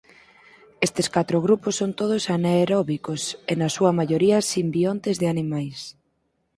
Estes catro grupos son todos anaerobios e na súa maioría simbiontes de animais.